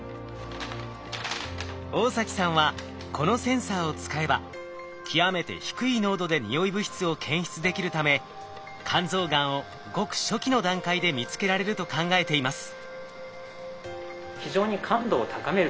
大崎さんはこのセンサーを使えば極めて低い濃度でにおい物質を検出できるため肝臓がんをごく初期の段階で見つけられると考えています。